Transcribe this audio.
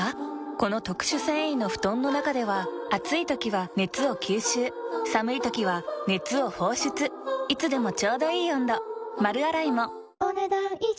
この特殊繊維の布団の中では暑い時は熱を吸収寒い時は熱を放出いつでもちょうどいい温度丸洗いもお、ねだん以上。